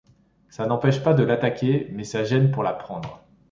Ça n’empêche pas de l’attaquer, mais ça gêne pour la prendre.